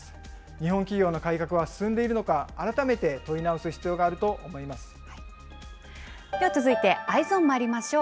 日本企業の改革は進んでいるのか、改めて問い直す必要があると思いでは続いてＥｙｅｓｏｎまいりましょう。